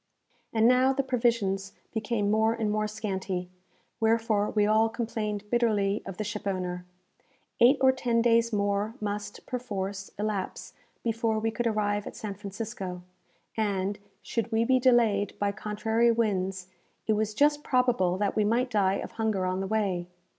And now the provisions became more and more scanty, wherefore we all complained bitterly of the shipowner. Eight or ten days more must, perforce, elapse before we could arrive at San Francisco; and, should we be delayed by contrary winds, it was just probable that we might die of hunger on the way.